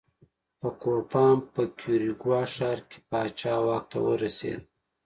په کوپان په کیوریګوا ښار کې پاچا واک ته ورسېد.